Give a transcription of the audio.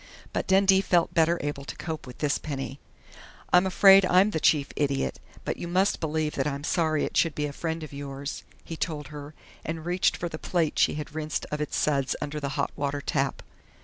But Dundee felt better able to cope with this Penny.... "I'm afraid I'm the chief idiot, but you must believe that I'm sorry it should be a friend of yours," he told her, and reached for the plate she had rinsed of its suds under the hot water tap.